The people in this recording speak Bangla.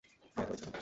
হ্যাঁ - ধরেছি।